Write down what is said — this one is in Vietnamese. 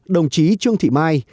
đồng chí trương thị mai